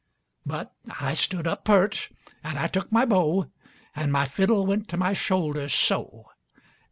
But I stood up pert an' I took my bow, An' my fiddle went to my shoulder, so.